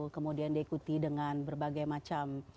kemudian diikuti dengan berbagai macam